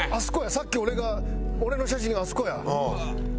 さっき俺が俺の写真あそこや。